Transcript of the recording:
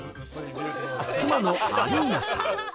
妻のアリーナさん。